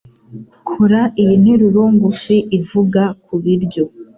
Kora iyi nteruro ngufi ivuga kubiryo